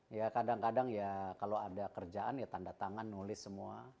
ya kadang kadang ya kalau ada kerjaan ya tanda tangan nulis semua